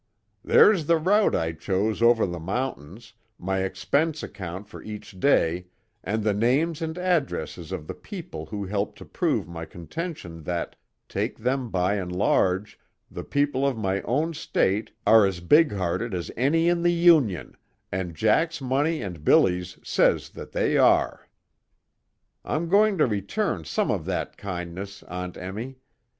"There's the route I chose over the mountains, my expense account for each day, and the names and addresses of the people who helped to prove my contention that, take them by and large, the people of my own State are as big hearted as any in the Union, and Jack's money and Billy's says that they are! "I'm going to return some of that kindness, Aunt Emmy.